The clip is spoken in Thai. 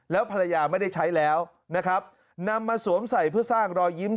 แล้วภรรยาไม่ได้ใช้แล้วนะครับนำมาสวมใส่เพื่อสร้างรอยยิ้ม